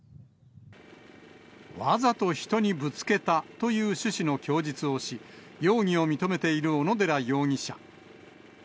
わざと人にぶつけたという趣旨の供述をし、容疑を認めている小野寺容疑者。